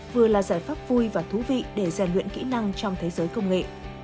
vừa là giải pháp vui và thú vị để rèn luyện kỹ năng trong thế giới công nghệ